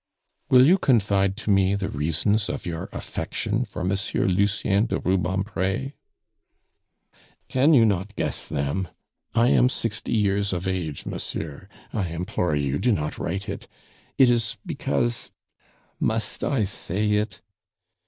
"Will you confide to me the reasons of your affection for Monsieur Lucien de Rubempre?" "Can you not guess them? I am sixty years of age, monsieur I implore you do not write it. It is because must I say it?"